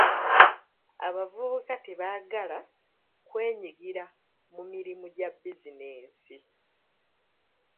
Abavubuka tebaagala kwenyigira mu mirimu gya bizinensi.